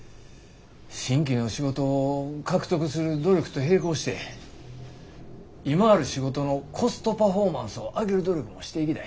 新規の仕事を獲得する努力と並行して今ある仕事のコストパフォーマンスを上げる努力もしていきたい。